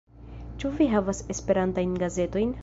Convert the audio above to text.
Ĉu vi havas esperantajn gazetojn?